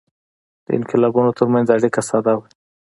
د انقلابونو ترمنځ اړیکه ساده وه.